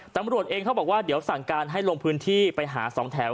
ตำรวจเองเขาบอกว่าเดี๋ยวสั่งการให้ลงพื้นที่ไปหาสองแถว